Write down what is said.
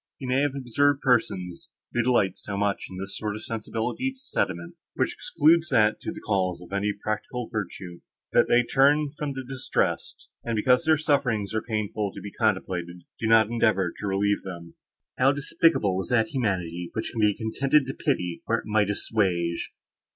You may have observed persons, who delight so much in this sort of sensibility to sentiment, which excludes that to the calls of any practical virtue, that they turn from the distressed, and, because their sufferings are painful to be contemplated, do not endeavour to relieve them. How despicable is that humanity, which can be contented to pity, where it might assuage!"